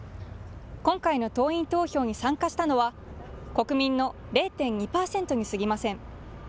今回の党員投票に参加したのは、国民の０．２％にすぎません。